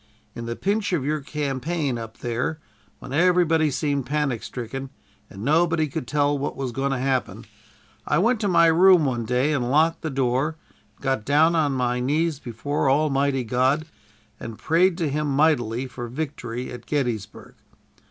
In the pinch of your campaign up there, when everybody seemed panic stricken, and nobody could tell what was going to happen, I went to my room one day and locked the door, and got down on my knees before Almighty God, and prayed to him mightily for victory at Gettysburg.